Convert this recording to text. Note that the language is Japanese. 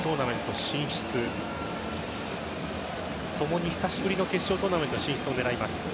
共に久しぶりの決勝トーナメント進出を狙います。